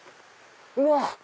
うわっ！